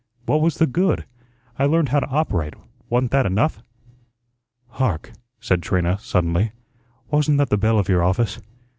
"What was the good? I learned how to operate; wa'n't that enough?" "Hark," said Trina, suddenly. "Wasn't that the bell of your office?"